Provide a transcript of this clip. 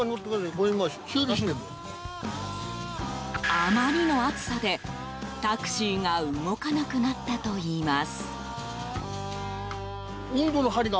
あまりの暑さでタクシーが動かなくなったといいます。